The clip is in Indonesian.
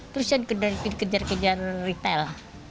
terus kita kejar kejar retail